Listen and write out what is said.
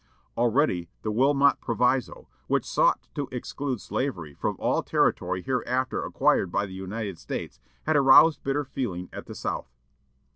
Already the Wilmot Proviso, which sought to exclude slavery from all territory hereafter acquired by the United States, had aroused bitter feeling at the South.